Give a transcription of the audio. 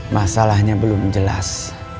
masalahnya belum jelas